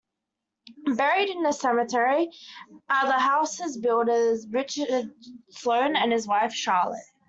Buried in the cemetery are the house's builder, Richard Sloan, and his wife, Charlotte.